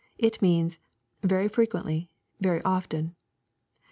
It means, " very firequently," " very often."